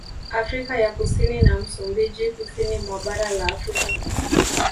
Afrika ya Kusini na Msumbiji Kusini mwa Bara la Afrika